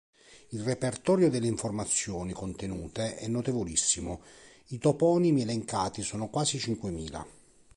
Il repertorio delle informazioni contenute è notevolissimo, i toponimi elencati sono quasi cinquemila.